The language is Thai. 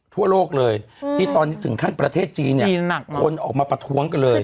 ทั่วโลกเลยที่ตอนนี้ถึงขั้นประเทศจีนเนี่ยคนออกมาประท้วงกันเลย